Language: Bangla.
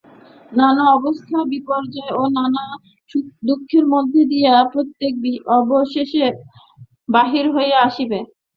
নানা অবস্থা-বিপর্যয় ও নানা সুখ-দুঃখের মধ্য দিয়া প্রত্যেকেই অবশেষে বাহির হইয়া আসিবে।